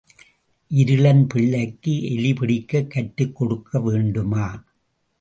இருளன் பிள்ளைக்கு எலி பிடிக்கக் கற்றுக் கொடுக்க வேண்டுமா?